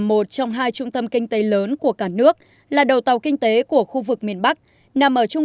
một trong hai trung tâm kinh tế lớn của cả nước là đầu tàu kinh tế của khu vực miền bắc nằm ở trung